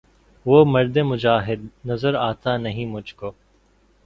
وہ مرد مجاہد نظر آتا نہیں مجھ کو